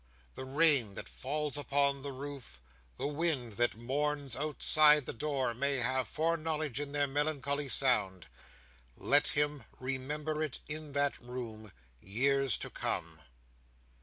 The rain that falls upon the roof, the wind that mourns outside the door, may have foreknowledge in their melancholy sound. Let him remember it in that room, years to come!"